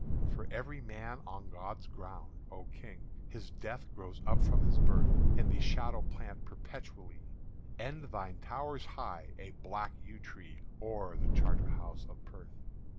"For every man on God's ground, O King, His death grows up from his birth In the shadow plant perpetually; And thine towers high, a black yew tree, O'er the Charterhouse of Perth!"